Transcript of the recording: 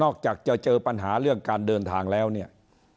จากจะเจอปัญหาเรื่องการเดินทางแล้วเนี่ย